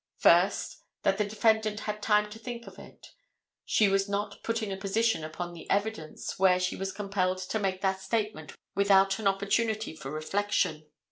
First, that the defendant had time to think of it; she was not put in a position upon the evidence where she was compelled to make that statement without an opportunity for reflection.